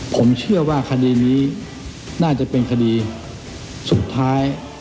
ผมเชื่อว่าคดีนี้น่าจะเป็นคดีสุดท้าย